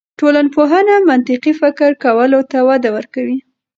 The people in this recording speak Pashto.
ټولنپوهنه منطقي فکر کولو ته وده ورکوي.